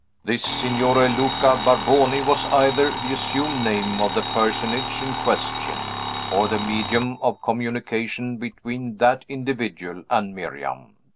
"This Signore Luca Barboni was either the assumed name of the personage in question, or the medium of communication between that individual and Miriam.